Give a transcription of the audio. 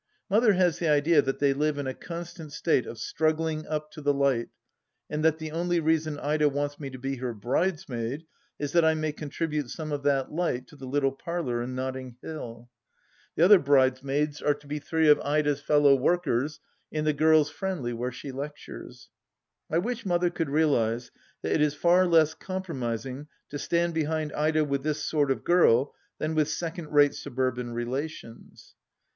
Mother has the idea that they live in a constant state of struggling up to the Light, and that the only reason Ida wants me to be her bridesmaid is that I may contribute some of that light to the little parlour in Notting Hill ! The other bridesmaids are to be three of Ida's fellow workers in the Girls' Friendly where she lectures. I wish Mother could realize that it is far less compromising to stand behind Ida with this sort of girl than with second rate suburban relations